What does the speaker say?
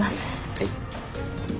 はい。